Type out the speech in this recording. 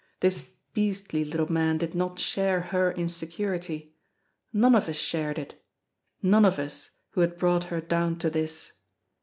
This beastly little man did not share her insecurity. None of us shared it—none of us, who had brought her down to this.